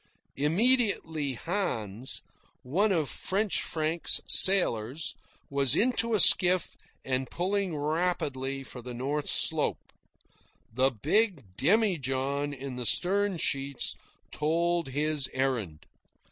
Immediately Hans, one of French Frank's sailors, was into a skiff and pulling rapidly for the north shore. The big demijohn in the stern sheets told his errand.